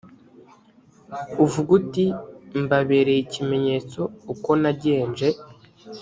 uvuge uti mbabereye ikimenyetso uko nagenje